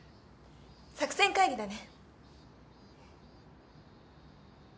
作戦会議だね。